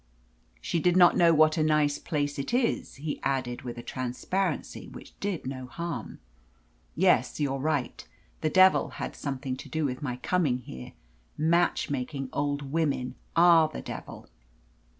"She did not know what a nice place it is," he added, with a transparency which did no harm. "Yes, you're right. The devil had something to do with my coming here. Match making old women are the devil."